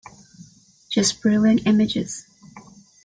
Just brilliant images.